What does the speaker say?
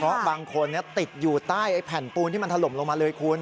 เพราะบางคนติดอยู่ใต้แผ่นปูนที่มันถล่มลงมาเลยคุณ